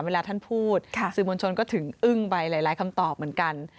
เวลาท่านพูดสื่อมวลชนก็ถึงอึ้งไปหลายคำตอบเหมือนกัน